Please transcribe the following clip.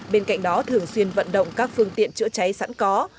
bên cạnh đó thường xuyên vận động các phương tiện chữa cháy sẵn có